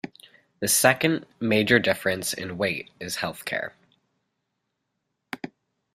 The second major difference in weight is healthcare.